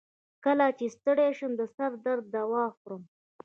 کله چې ستړی شم، د سر درد دوا خورم.